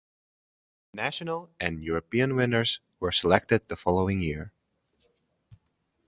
National and European winners were selected the following year.